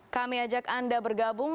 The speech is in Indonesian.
kami ajak anda bergabung